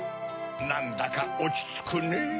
なんだかおちつくねぇ。